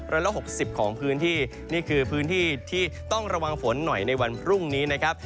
ละหกสิบของพื้นที่นี่คือพื้นที่ที่ต้องระวังฝนหน่อยในวันพรุ่งนี้นะครับ